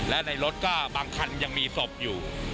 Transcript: และในรถก็บางคันยังมีศพอยู่